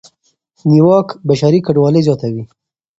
نیواک بشري کډوالۍ زیاتوي.